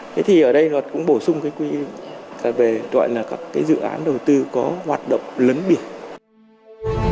thế thì ở đây nó cũng bổ sung cái quy định về các dự án đầu tư có hoạt động lớn biển